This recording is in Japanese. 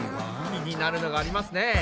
気になるのがありますね！